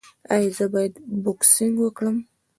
ایا زه باید بوکسینګ وکړم؟